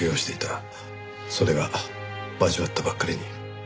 それが交わったばっかりに。